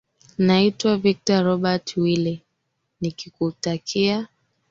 naitwa victor robert wile nikikutakia